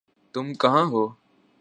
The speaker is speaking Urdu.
تم کہاں ہو؟